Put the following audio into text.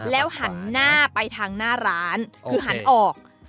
แล้วหันหน้าไปทางหน้าร้านคือหันออก